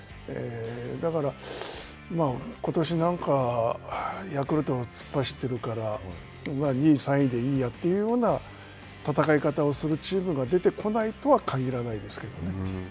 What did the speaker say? だから、ことしなんか、ヤクルトが突っ走っているから、２位、３位でいいやというような戦い方をするチームが出てこないとは限らないですけれどもね。